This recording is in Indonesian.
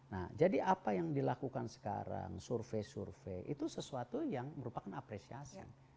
nah jadi apa yang dilakukan sekarang survei survei itu sesuatu yang merupakan apresiasi